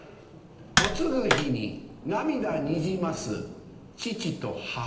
嫁ぐ日に涙にじます父と母。